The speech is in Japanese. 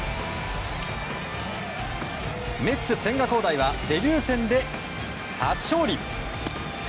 メッツ、千賀滉大はデビュー戦で初勝利。